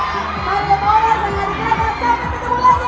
ขอบคุณมากสวัสดีครับ